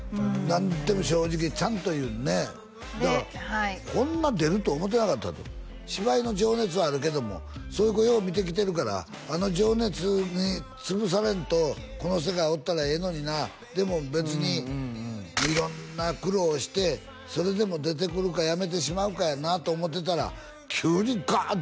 何でも正直にちゃんと言うねだからこんな出ると思ってなかったと芝居の情熱はあるけどもそういう子よう見てきてるからあの情熱に潰されんとこの世界おったらええのになでも別に色んな苦労をしてそれでも出てくるかやめてしまうかやなと思ってたら急にガン！